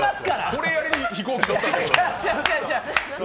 これやりに飛行機乗ったんだから。